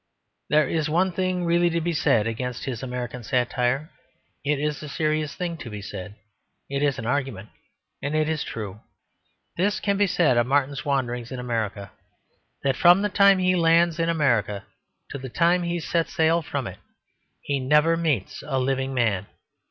There is one thing really to be said against his American satire; it is a serious thing to be said: it is an argument, and it is true. This can be said of Martin's wanderings in America, that from the time he lands in America to the time he sets sail from it he never meets a living man.